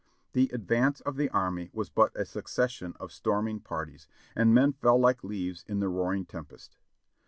The advance of the army was but a succession of storming parties, and men fell like leaves in the roaring tempest.